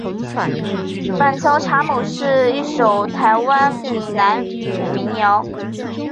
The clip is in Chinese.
板桥查某是一首台湾闽南语民谣。